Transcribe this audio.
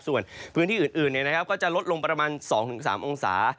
ส่วนพื้นที่อื่นก็จะลดลงประมาณ๒๓องศา